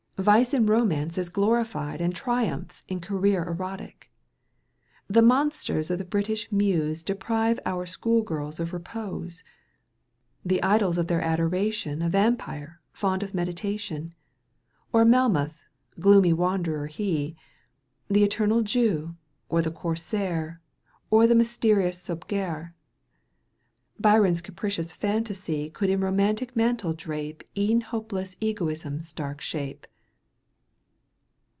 Vice in romance is glorified And triumphs in career erotic. The monsters, of the British Muse Deprive our schoolgirls of repose. The idols of their adoration A Vampire fond of meditation, Or Melmoth, gloomy wanderer he, The Eternal Jew or the Corsair Or the mysterious Sbogar.^ Byron's capricious phantasy Could in romantic mantle drape E'en hopeless egoism's dark shape.